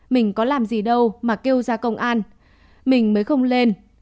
mình có làm gì đâu mà kêu ra công an mình mới không lên